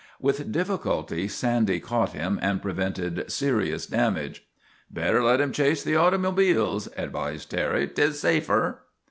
With difficulty Sandy caught him and prevented serious damage. " Better let him chase the autymobiles," advised Terry. " 'T is safer."